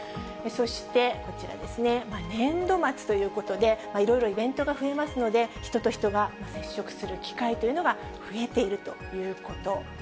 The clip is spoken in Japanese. そしてこちらですね、年度末ということで、いろいろイベントが増えますので、人と人が接触する機会というのが増えているということ。